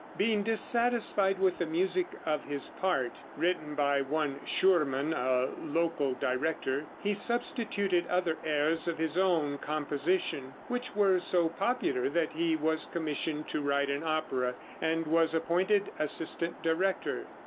Being dissatisfied with the music of his part (written by one Schurmann, a local director), he substituted other airs of his own composition, which were so popular that he was commissioned to write an opera, and was appointed assistant director.